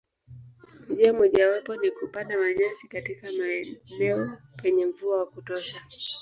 Njia mojawapo ni kupanda manyasi katika maeneo penye mvua wa kutosha.